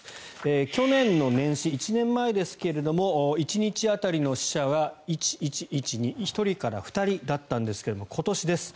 去年の年始、１年前ですが１日当たりの死者は１、１、１、２１人から２人だったんですが今年です